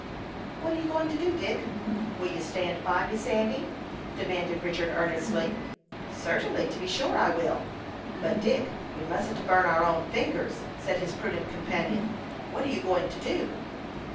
"What are you going to do, Dick?" "Will you stand by me, Sandy?" demanded Richard, earnestly. "Certainly; to be sure I will. But, Dick, we mustn't burn our own fingers," said his prudent companion. "What are you going to do?"